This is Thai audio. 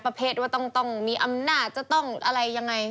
ประเภทว่าต้องมีอำนาจจะต้องอะไรยังไง